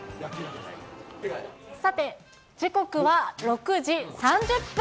さて、時刻は６時３０分。